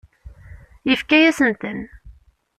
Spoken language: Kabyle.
Yefka-asen-ten.